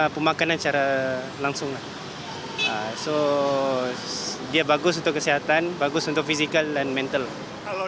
pemakanan secara langsung so dia bagus untuk kesehatan bagus untuk fisikal dan mental kalau